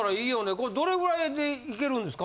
これどれぐらいで行けるんですか？